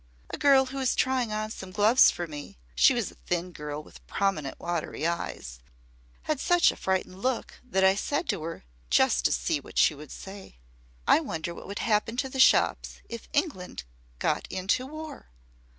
A girl who was trying on some gloves for me she was a thin girl with prominent watery eyes had such a frightened look, that I said to her, just to see what she would say 'I wonder what would happen to the shops if England got into war?'